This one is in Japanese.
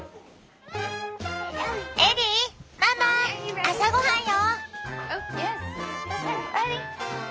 エリーママ朝ごはんよ！